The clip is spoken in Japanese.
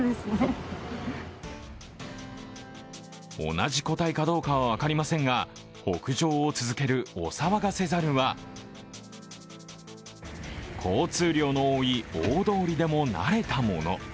同じ個体かどうかは分かりませんが北上を続けるお騒がせ猿は交通量の多い大通でも慣れたもの。